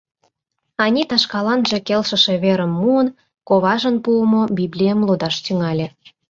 Анита шкаланже келшыше верым муын, коважын пуымо Библийым лудаш тӱҥале.